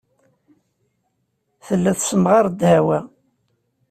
Tella tessemɣar ddeɛwa.